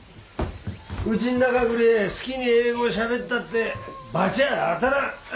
うちん中ぐれえ好きに英語しゃべったって罰ゃあ当たらん。